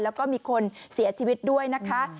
แล้วก็มีคนเสียชีวิตด้วยนะคะ